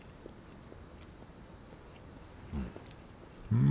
うん。